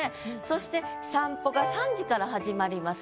そして散歩が３時から始まりますよと。